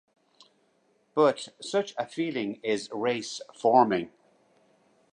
But such a feeling is race-forming.